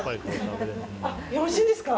よろしいですか。